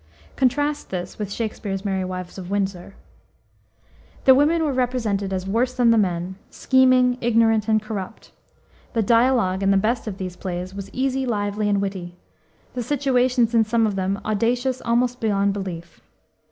(Contrast this with Shakspere's Merry Wives of Windsor.) The women were represented as worse than the men scheming, ignorant, and corrupt. The dialogue in the best of these plays was easy, lively, and witty; the situations in some of them audacious almost beyond belief.